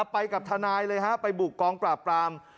ไปกับธนายศ์เลยไปบุกกองปรากราม